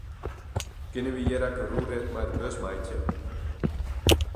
Kinne wy hjir ek in rûnrit mei de bus meitsje?